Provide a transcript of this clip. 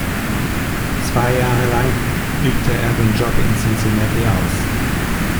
Zwei Jahre lang übte er den Job in Cincinnati aus.